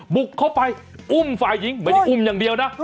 บุกเข้าไปอุ้มฝ่ายหญิงไม่ได้อุ้มอย่างเดียวนะ